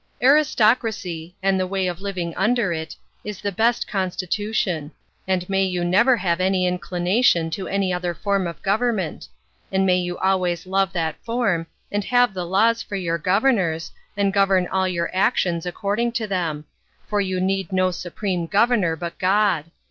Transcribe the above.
Aristocracy, and the way of living under it, is the best constitution: and may you never have any inclination to any other form of government; and may you always love that form, and have the laws for your governors, and govern all your actions according to them; for you need no supreme governor but God.